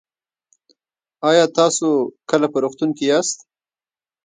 ایا تاسو کله په روغتون کې یاست؟